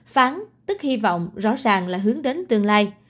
phán tức hy vọng rõ ràng là hướng đến tương lai